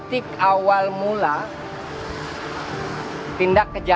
tidak jauh jauh atau berjarak tiga ratus empat ratus meter